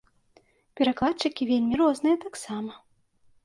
Перакладчыкі вельмі розныя таксама.